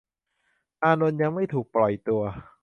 อานนท์ยังไม่ถูกปล่อยตัว